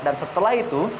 dan setelah itu